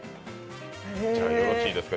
よろしいですか。